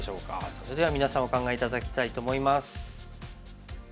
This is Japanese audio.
それでは皆さんお考え頂きたいと思います。